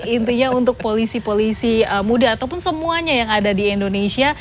intinya untuk polisi polisi muda ataupun semuanya yang ada di indonesia